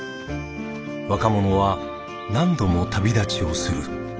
若者は何度も旅立ちをする。